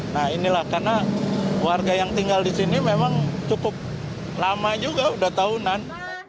nah inilah karena warga yang tinggal di sini memang cukup lama juga sudah tahunan